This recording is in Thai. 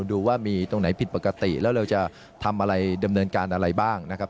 ดูว่ามีตรงไหนผิดปกติแล้วเราจะทำอะไรดำเนินการอะไรบ้างนะครับ